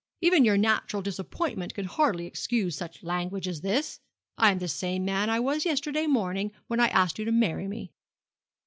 Even your natural disappointment can hardly excuse such language as this. I am the same man I was yesterday morning when I asked you to marry me.'